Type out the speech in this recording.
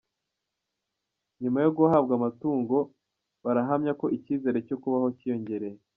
Nyuma yo guhabwa amatungo barahamya ko icyizere cyo kubaho cyiyongereye